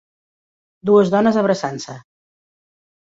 Dues dones abraçant-se.